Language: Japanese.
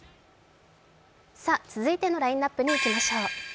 続いてのラインナップにいきましょう。